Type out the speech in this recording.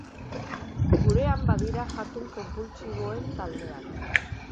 Gurean badira jatun konpultsiboen taldeak.